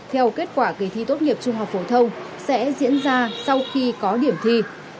theo kết quả kỳ thi tốt nghiệp trung học phổ thông sẽ diễn ra sau khi có điểm thi